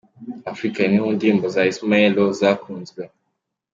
Africa, imwe mu ndirimbo za Ismaël Lô zakunzwe.